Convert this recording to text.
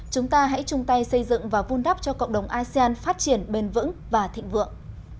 chúng ta hãy chung tay xây dựng và vun đắp cho cộng đồng asean phát triển bền vững và thịnh vượng